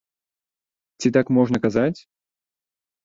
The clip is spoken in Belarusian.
Ці так можна казаць?